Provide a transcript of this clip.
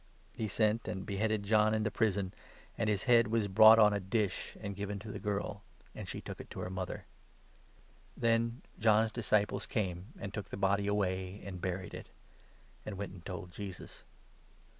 He sent and beheaded Johninthe prison ; and his head was brought on a dish and given to the girl, and she took it to her mother. Then John's disciples came, and took the body away, and buried it ; and went and told Jesus.